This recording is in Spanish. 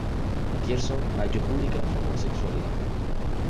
Pierson ha hecho pública su homosexualidad.